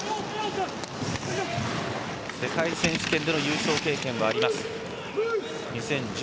世界選手権での優勝経験はあります。